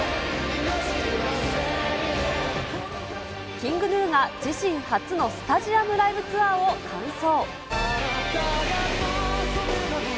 ＫｉｎｇＧｎｕが自身初のスタジアムライブツアーを完走。